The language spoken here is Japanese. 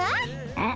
うん。